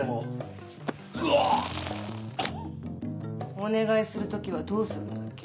お願いする時はどうするんだっけ？